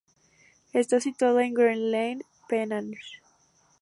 Está situado en Green Lane, Penang.